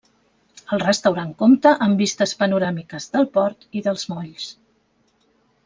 El restaurant compta amb vistes panoràmiques del port i dels molls.